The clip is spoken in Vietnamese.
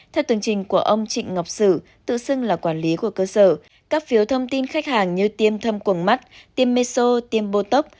theo tường trình của ông trịnh ngọc sử tự xưng là quản lý của cơ sở các phiếu thông tin khách hàng như tiêm thâm quần mắt tiêm meso tiêm bô tóc